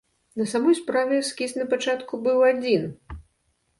На самой справе эскіз напачатку быў адзін.